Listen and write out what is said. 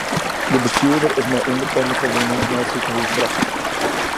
De bestjoerder is mei ûnbekende ferwûnings nei it sikehûs brocht.